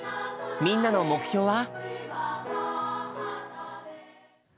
みんなの目標は？